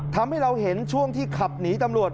ทำให้เราเห็นช่วงที่ขับหนีตำรวจ